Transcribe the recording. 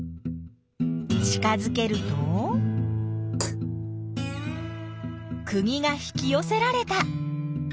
近づけるとくぎが引きよせられた！